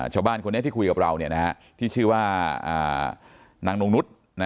ชาวบ้านคนนี้ที่คุยกับเราที่ชื่อว่านางนงนุษย์